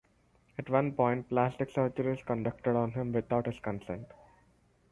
At one point plastic surgery is conducted on him without his consent.